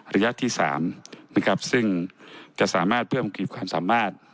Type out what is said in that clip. ระยะที่๓นะครับซึ่งจะสามารถเพิ่มกรีบความสามารถ